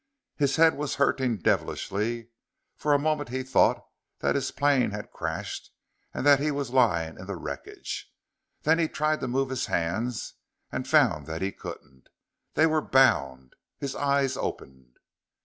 His head was hurting devilishly; for a moment he thought that his plane had crashed, and that he was lying in the wreckage. Then he tried to move his hands, and found that he couldn't. They were bound. His eyes opened.